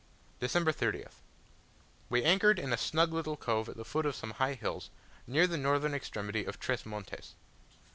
December 30th. We anchored in a snug little cove at the foot of some high hills, near the northern extremity of Tres Montes.